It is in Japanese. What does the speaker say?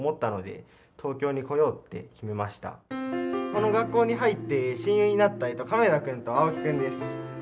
この学校に入って親友になった亀田くんと青木くんです。